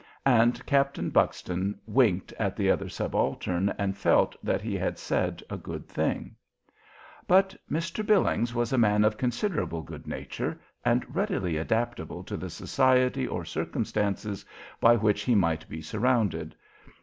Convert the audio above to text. And Captain Buxton winked at the other subaltern and felt that he had said a good thing. But Mr. Billings was a man of considerable good nature and ready adaptability to the society or circumstances by which he might be surrounded.